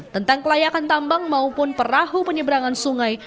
tentang kelayakan tambang maupun perahu penyeberangan sungai